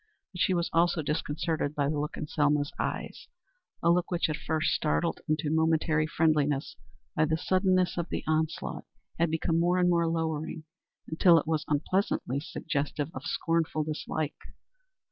But she was also disconcerted by the look in Selma's eyes a look which, at first startled into momentary friendliness by the suddenness of the onslaught, had become more and more lowering until it was unpleasantly suggestive of scornful dislike.